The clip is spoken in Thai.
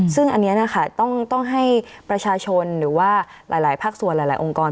ซึ่งอันนี้นะคะต้องให้ประชาชนหรือว่าหลายภาคส่วนหลายองค์กร